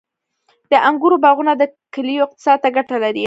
• د انګورو باغونه د کلیو اقتصاد ته ګټه لري.